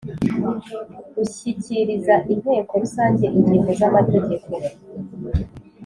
gushyikiriza Inteko Rusange ingingo z amategeko